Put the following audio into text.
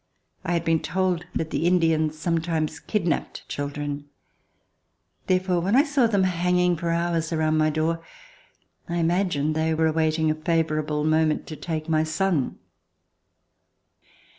I had been told that the Indians sometimes kidnapped children. Therefore, when I saw them hanging for hours around my door I imagined they were awaiting a favorable moment to take my son.